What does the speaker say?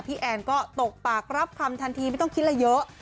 แอนก็ตกปากรับคำทันทีไม่ต้องคิดอะไรเยอะ